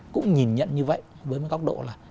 cũng nhìn nhận như vậy với một góc độ là